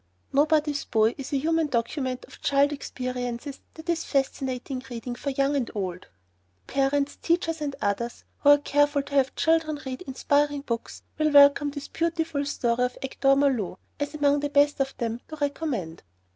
"Nobody's Boy" is a human document of child experiences that is fascinating reading for young and old. Parents, teachers and others, who are careful to have children read inspiring books, will welcome this beautiful story of Hector Malot, as among the best for them to recommend.